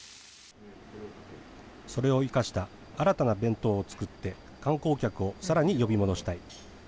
それを生かした新たな弁当を作って、観光客をさらに呼び戻したい。